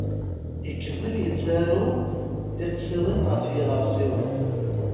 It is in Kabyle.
Ikemmel yettaru tiqsiḍin ɣef yiɣersiwen.